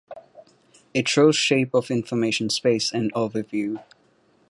It shows shape of information space in overview.